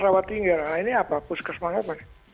rawat tinggal nah ini apa puskesmas apa